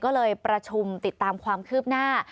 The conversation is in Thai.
ก็เลยประชุมติดตามความคืบหน้า